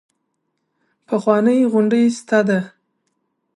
پخوانۍ غونډۍ شته ده.